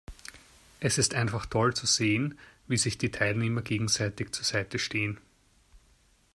Es ist einfach toll zu sehen, wie sich die Teilnehmer gegenseitig zur Seite stehen.